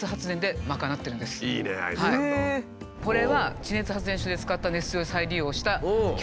これは地熱発電所で使った熱水を再利用した巨大な露天風呂。